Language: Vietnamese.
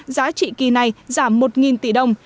giá trị kỳ này giảm một tỷ đồng